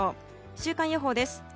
週間予報です。